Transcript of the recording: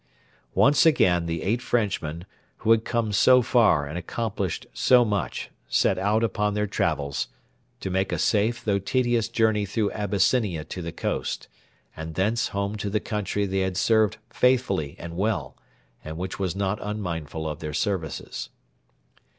Once again the eight Frenchmen, who had come so far and accomplished so much, set out upon their travels, to make a safe though tedious journey through Abyssinia to the coast, and thence home to the country they had served faithfully and well, and which was not unmindful of their services.